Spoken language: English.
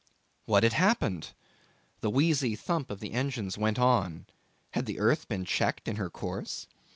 What had happened? The wheezy thump of the engines went on. Had the earth been checked in her course?